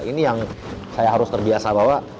ini yang saya harus terbiasa bahwa